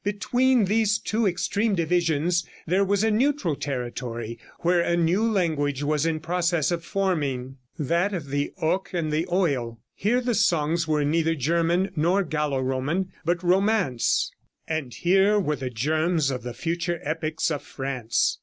Between these two extreme divisions there was a neutral territory where a new language was in process of forming that of the 'Oc' and 'Oil.' Here the songs were neither German nor Gallo Roman, but Romance. And here were the germs of the future epics of France."